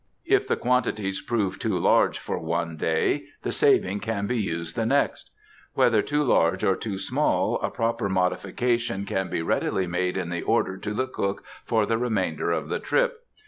If the quantities prove too large for one day, the saving can be used the next. Whether too large or too small, a proper modification can be readily made in the order to the cook for the remainder of the trip.